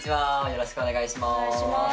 よろしくお願いします。